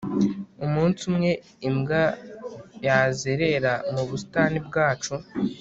Umunsi umwe imbwa yazerera mu busitani bwacu